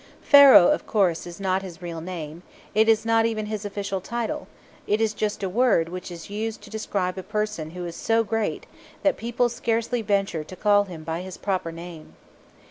Pharaoh, of course, is not his real name; it is not even his official title; it is just a word which is used to describe a person who is so great that people scarcely venture to call him by his proper name.